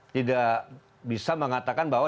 tidak bisa mengatakan bahwa